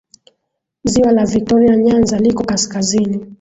Ziwa la Viktoria Nyanza liko kaskazini